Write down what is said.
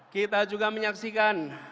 kita juga menyaksikan